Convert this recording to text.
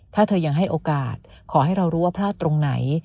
ถ้าเธอยังให้โอกาสขอให้เรารู้ว่าพลาดตรงไหน